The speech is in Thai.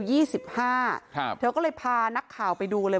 เค้าก็เลยพานักข่าวไปดูเลย